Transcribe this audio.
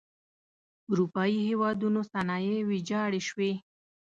اروپايي هېوادونو صنایع ویجاړې شوئ.